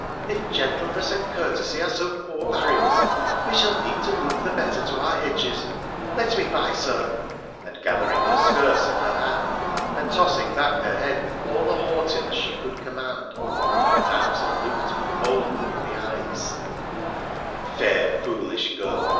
— if gentleness and courtesy are so poor barriers, we shall need to look the better to our hedges — let me by, Sir !' and, gather ing her skirts in her hand and tossing back her head with all the haughtiness she could command, that damsel looked me boldly in the eyes. 2SS WONDERFUL ADVENTURES OF Fair, foolish girl